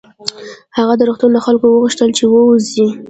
هغه د روغتون له خلکو وغوښتل چې ووځي